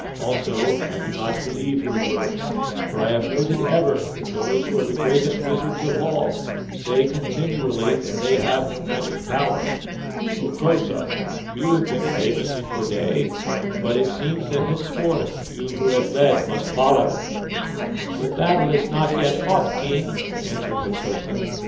Also I do not believe your words, for I have noted ever that those who are the greatest wizards of all say continually that they have no magic power. Hokosa, you have been famous in your day, but it seems that henceforth you who have led must follow." "The battle is not yet fought, King," answered Hokosa.